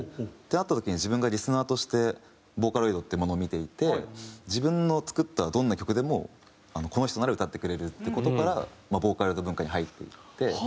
なった時に自分がリスナーとしてボーカロイドってものを見ていて自分の作ったどんな曲でもこの人なら歌ってくれるって事からまあボーカロイド文化に入っていって。